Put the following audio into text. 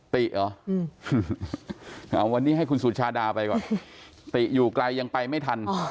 ติเหรอวันนี้ให้คุณสุชาดาไปก่อนติอยู่ไกลยังไปไม่ทัน